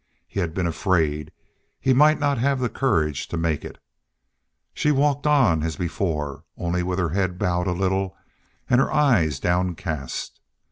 He had been afraid he might not have the courage to make it. She walked on as before, only with her head bowed a little and her eyes downcast.